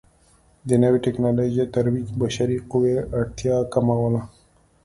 د نوې ټکنالوژۍ ترویج بشري قوې اړتیا کموله.